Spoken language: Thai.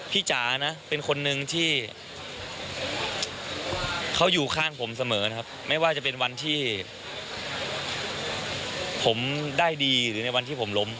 จ๋านะเป็นคนนึงที่เขาอยู่ข้างผมเสมอนะครับไม่ว่าจะเป็นวันที่ผมได้ดีหรือในวันที่ผมล้ม